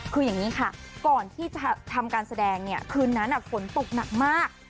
คืออย่างนี้ค่ะก่อนที่จะทำการแสดงเนี่ยคืนนั้นฝนตกหนักมาก